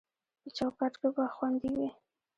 په چوکاټ کې به خوندي وي